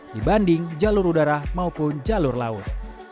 dibanding jalur udara maupun jalur laut